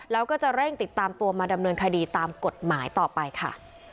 แล้วก็จะเร่งติดตามตัวมาดำเนินคดีตามกฎหมายต่อไปค่ะ